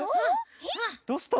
どうしたの？